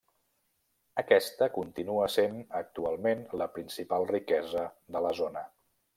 Aquesta continua essent actualment la principal riquesa de la zona.